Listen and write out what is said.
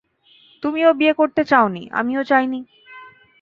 তুমিও বিয়ে করতে চাওনি, আমিও চাইনি।